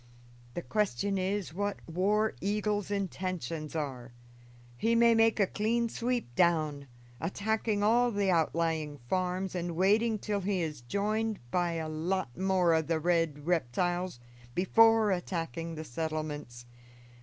The question is what War Eagle's intentions are. He may make a clean sweep down, attacking all the outlying farms and waiting till he is joined by a lot more of the red reptiles before attacking the settlements.